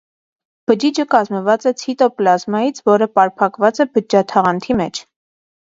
Բջիջը կազմված է ցիտոպլազմայից, որը պարփակված է բջջաթաղանթի մեջ։